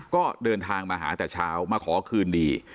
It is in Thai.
ก็เดินทางมาหาแต่เช้ามาขอคืนดี